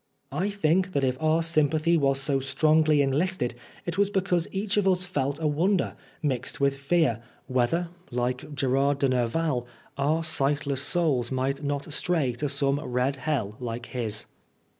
I think that if our sympathy was so strongly 44 Oscar Wilde enlisted, it was because each of us felt a wonder, mixed with fear, whether, like Gerard de Nerval, our sightless souls might not stray to some red hell like his.